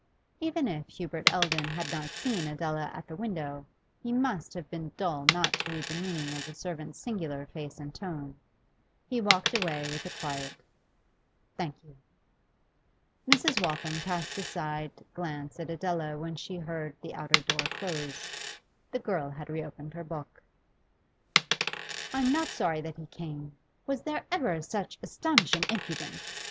Even if Hubert Eldon had not seen Adela at the window he must have been dull not to read the meaning of the servant's singular face and tone. He walked away with a quiet 'Thank you.' Mrs. Waltham cast a side glance at Adela when she heard the outer door close. The girl had reopened her book. 'I'm not sorry that he came. Was there ever such astonishing impudence?